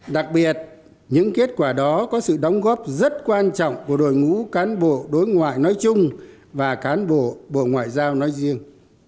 đặc biệt những kết quả đó có sự đóng góp rất quan trọng của đội ngũ cán bộ đối ngoại nói chung và cán bộ bộ ngoại giao nói riêng